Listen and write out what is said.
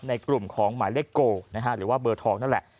ในกลุ่มของหมายเลขโกหรือว่าเบอร์ทองนั่นแหละ